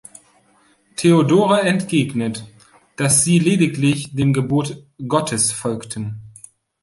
Theodora entgegnet, dass sie lediglich dem Gebot Gottes folgten.